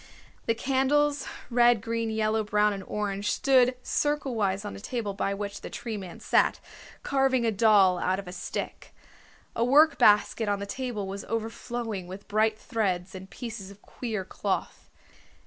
The candles, red, green, yellow, brown and orange, stood circlewise on a table by which the Tree Man sat, carving a doll out of a stick. A workbasket on the table was overflowing with bright threads and pieces of queer cloth.